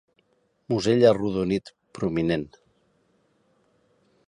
Musell arrodonit, prominent.